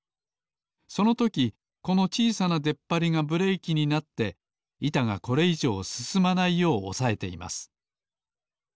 そのときこのちいさなでっぱりがブレーキになっていたがこれいじょうすすまないようおさえています。